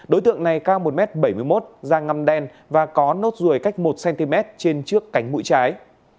đối tượng này cao một m bảy mươi một da ngâm đen và có nốt ruồi cách một cm trên trước cánh mũi trái